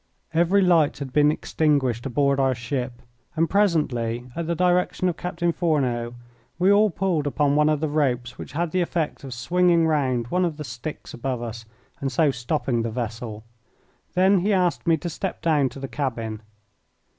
Every light had been extinguished aboard our ship, and presently, at the direction of Captain Fourneau, we all pulled upon one of the ropes, which had the effect of swinging round one of the sticks above us, and so stopping the vessel. Then he asked me to step down to the cabin.